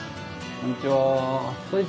こんにちは。